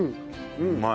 うまい。